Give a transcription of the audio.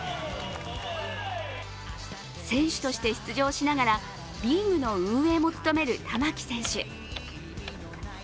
選手として出場しながらリーグの運営も務める玉置選手。